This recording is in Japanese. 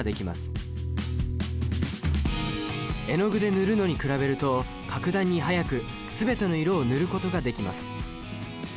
絵の具で塗るのに比べると格段に速く全ての色を塗ることができます。